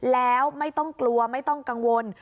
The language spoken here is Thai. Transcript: แล้วไม่ต้องกลัวไม่ต้องกังวล